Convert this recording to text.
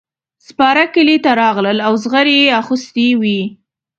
سپاره کلي ته راغلل او زغرې یې اغوستې وې.